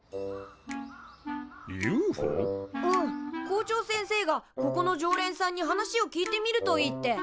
校長先生が「ここの常連さんに話を聞いてみるといい」って。